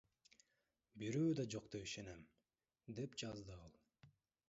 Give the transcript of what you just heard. Бирөө да жок деп ишенем, — деп жазды ал.